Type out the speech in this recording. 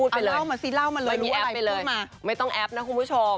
อ่าเล่ามาซิราวมาเลยรู้อะไรพูดมาไปเลยไม่ต้องแอปนะคุณผู้ชม